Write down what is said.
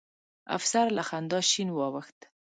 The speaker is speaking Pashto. افسر له خندا شين واوښت.